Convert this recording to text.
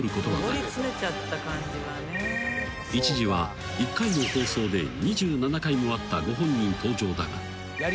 ［一時は１回の放送で２７回もあったご本人登場だが］